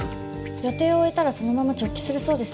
予定を終えたらそのまま直帰するそうです。